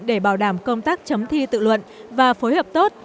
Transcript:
để bảo đảm công tác chấm thi tự luận và phối hợp tốt